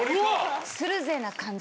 「するぜ！！」な感じ。